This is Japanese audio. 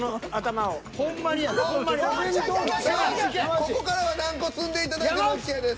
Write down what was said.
ここからは何個積んでいただいてもＯＫです。